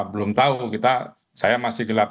belum tahu saya masih gelap